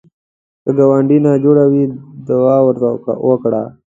که ګاونډی ناجوړه وي، دوا ورته وړه